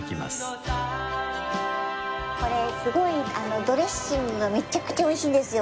これすごいドレッシングがめちゃくちゃ美味しいんですよ